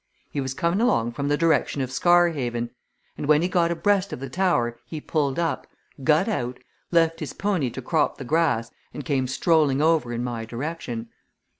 He was coming along from the direction of Scarhaven, and when he got abreast of the tower he pulled up, got out, left his pony to crop the grass and came strolling over in my direction.